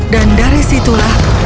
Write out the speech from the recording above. dan dari situlah